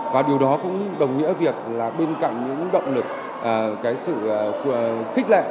và điều đó cũng đồng nghĩa việc là bên cạnh những động lực cái sự khích lệ